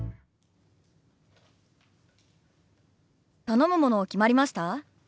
頼むもの決まりました？